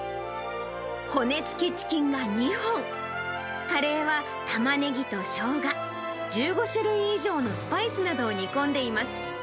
骨付きチキンが２本、カレーはタマネギとショウガ、１５種類以上のスパイスなどを煮込んでいます。